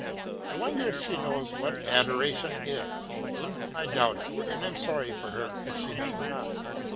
I wonder if she knows what adoration is? I doubt it, and am sorry for her if she does not.